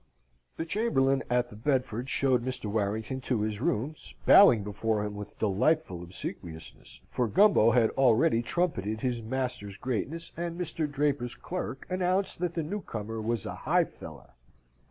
The chamberlain at the Bedford showed Mr. Warrington to his rooms, bowing before him with delightful obsequiousness, for Gumbo had already trumpeted his master's greatness, and Mr. Draper's clerk announced that the new comer was a "high fellar."